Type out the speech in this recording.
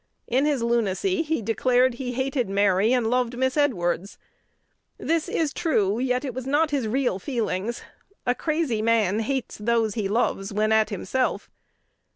"In his lunacy he declared he hated Mary and loved Miss Edwards. This is true, yet it was not his real feelings. A crazy man hates those he loves when at himself.